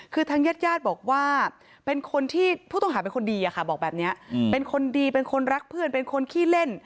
คือทางญาติบอกว่าผู้ต้องหาเป็นคนดีเป็นคนดีเป็นคนรักเพื่อนเป็นคนขี้เล่น